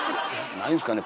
ないんですかね